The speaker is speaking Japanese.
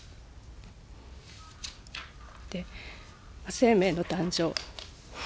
生命の誕生。